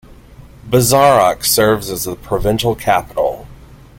Bazarak serves as the provincial capital.